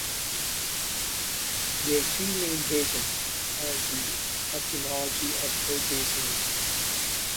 There are two main versions of the etymology of Ogre's name.